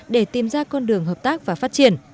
để tìm ra con đường hợp tác và phát triển